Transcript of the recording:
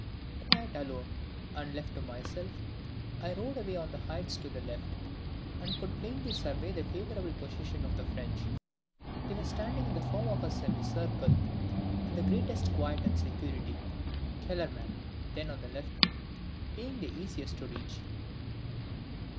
"Quite alone, and left to myself, I rode away on the heights to the left, and could plainly survey the favourable position of the French; they were standing in the form of a semicircle in the greatest quiet and security; Kellerman, then on the left wing, being the easiest to reach.